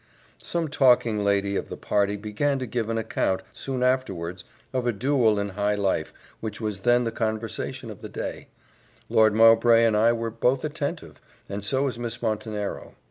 Some talking lady of the party began to give an account, soon afterwards, of a duel in high life, which was then the conversation of the day: Lord Mowbray and I were both attentive, and so was Miss Montenero.